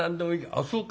「あっそうか。うん」。